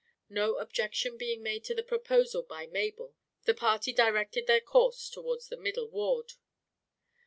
No objection being made to the proposal by Mabel, the party directed their course towards the middle ward.